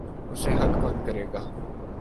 اسے حل کون کرے گا؟